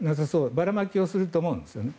ばらまきをすると思うんですね。